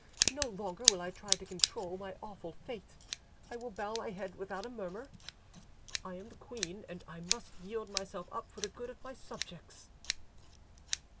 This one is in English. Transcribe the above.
no longer will I try to control my awful fate, I will bow my head without a murmur. I am the queen, and I must yield myself up for the good of my subjects."